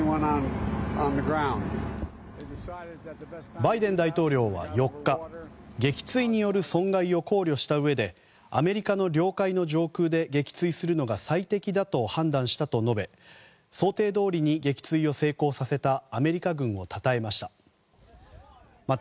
バイデン大統領は４日撃墜による損害を考慮したうえでアメリカの領海の上空で撃墜するのが最適だと判断したと述べ想定どおりに撃墜を成功させたアメリカ軍をたたえました。